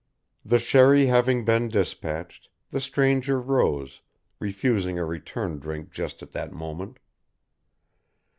The sherry having been despatched, the stranger rose, refusing a return drink just at that moment.